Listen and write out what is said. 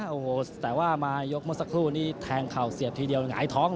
โอ้โหแต่ว่ามายกเมื่อสักครู่นี้แทงเข่าเสียบทีเดียวหงายท้อง